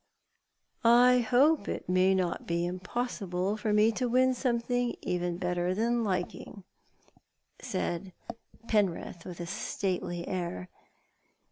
" I hope it may not be impossible for me to win something even better than liking," said Penrith, with a stately air.